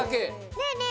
ねえねえ